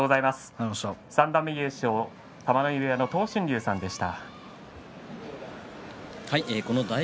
三段目優勝、玉ノ井部屋の東俊隆さんでした。